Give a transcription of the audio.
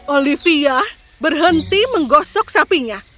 olivia berhenti menggosok sapinya